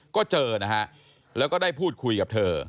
ก็เจอนะฮะแล้วก็ได้พูดคุยกับเธอ